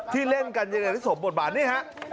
ที่เล่นกันยังไงได้เหรอถมบทบาทนี่